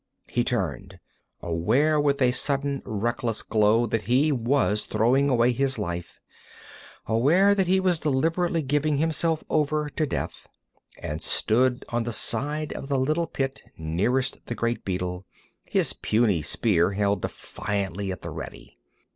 He turned, aware with a sudden reckless glow that he was throwing away his life, aware that he was deliberately giving himself over to death, and stood on the side of the little pit nearest the great beetle, his puny spear held defiantly at the ready.